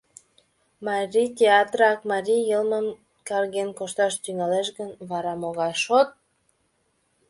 Марий театрак марий йылмым карген кошташ тӱҥалеш гын, вара могай шот?